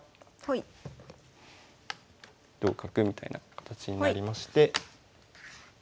同角みたいな形になりまして。